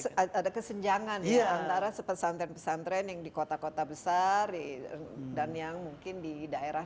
jadi ada kesenjangan ya antara pesantren pesantren yang di kota kota besar dan yang mungkin di daerah